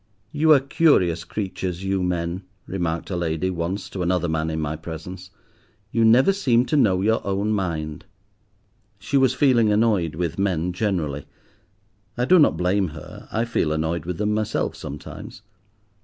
"You are curious creatures, you men," remarked a lady once to another man in my presence. "You never seem to know your own mind." She was feeling annoyed with men generally. I do not blame her, I feel annoyed with them myself sometimes.